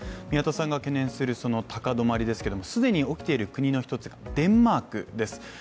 宮田さんが懸念する高止まりですけれども既に起きている国の一つがデンマークです。